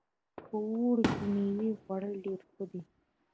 په اوړي کې میوې خوړل ډېر ښه ده